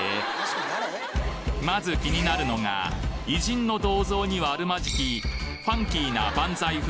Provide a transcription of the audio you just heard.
まず気になるのが偉人の銅像にはあるまじきファンキーな万歳風